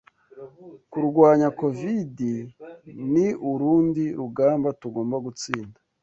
Kurwanya COVIDi ni urundi rugamba tugomba gutsinda